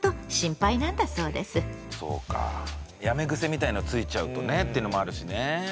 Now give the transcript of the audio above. そうかやめ癖みたいのついちゃうとねってのもあるしね